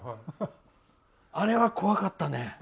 あれは怖かったね。